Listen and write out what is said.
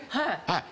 はい。